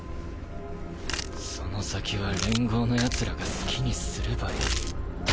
その先は連合の奴らが好きにすればいい。